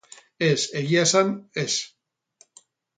Ez, egia esan, ez.